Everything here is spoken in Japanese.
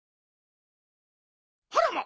あらま！